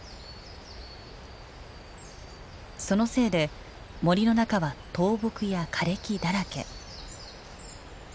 そのせいで森の中は倒木や枯れ木だらけ。